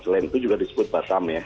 selain itu juga disebut batam ya